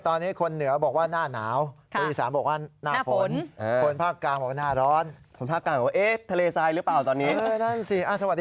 ตอนนี้คนเหนือบอกว่าน่าหนาวอีสานบอกว่าน่าฝน